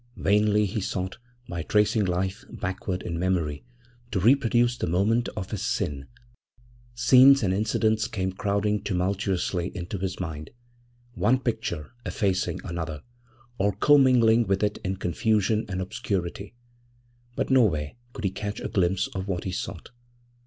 Vainly he sought, by tracing life backward in memory, to reproduce the moment of his sin; scenes and incidents came crowding tumultuously into his mind, one picture effacing another, or commingling with it in confusion and obscurity, but nowhere could he catch a glimpse of what he sought.